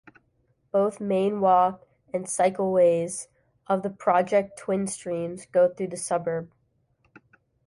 Both main walk- and cycleways of the Project Twin Streams go through the suburb.